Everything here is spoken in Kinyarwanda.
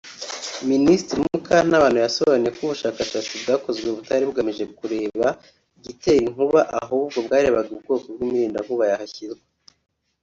Minisitiri Mukantabana yasobanuye ko ubushakashatsi bwakozwe butari bugamije kureba igitera inkuba ahubwo bwarebaga ubwoko bw’imirindankuba yahashyirwa